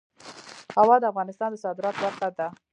هوا د افغانستان د صادراتو برخه ده.